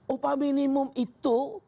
upah minimum itu